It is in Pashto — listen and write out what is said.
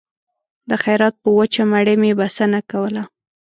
د خیرات په وچه مړۍ مې بسنه کوله